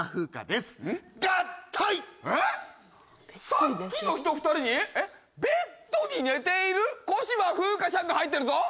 さっきの人２人に「ベッドに寝ている小芝風花ちゃん」が入ってるぞ！